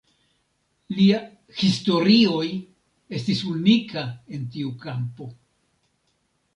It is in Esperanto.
Lia Historioj estis unika en tiu kampo.